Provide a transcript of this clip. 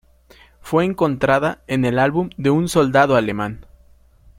Fue encontrada en el álbum de un soldado alemán.